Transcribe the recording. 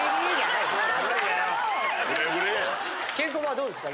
ケンコバはどうですか？